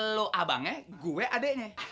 lo abangnya gue adeknya